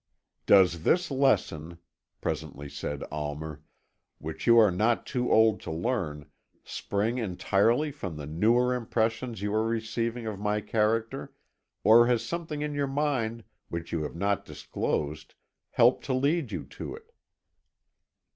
"Does this lesson," presently said Almer, "which you are not too old to learn, spring entirely from the newer impressions you are receiving of my character, or has something in your mind which you have not disclosed helped to lead you to it?"